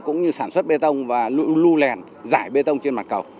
cũng như sản xuất bê tông và lưu lèn giải bê tông trên mặt cầu